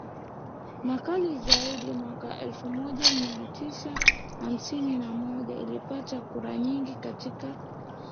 makali zaidi Mwaka elfu moja mia tisa hamsini na moja ilipata kura nyingi katika